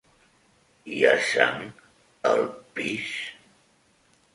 Hi ha sang al pis?